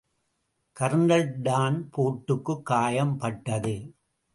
Kernel Don போர்டுக்குக் காயம் பட்டது.